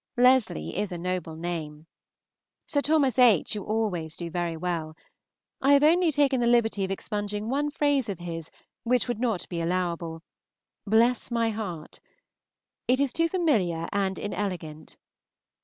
Leslie is a noble name. Sir Thomas H. you always do very well. I have only taken the liberty of expunging one phrase of his which would not be allowable, "Bless my heart!" It is too familiar and inelegant.